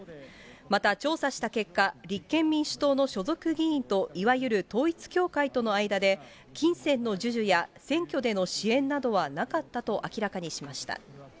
また、調査した結果、立憲民主党の所属議員と、いわゆる統一教会との間で、金銭の授受や選挙での支援などはなかったと明らかにしました。